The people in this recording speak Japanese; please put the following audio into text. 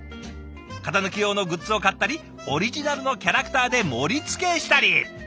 型抜き用のグッズを買ったりオリジナルのキャラクターで盛りつけしたり！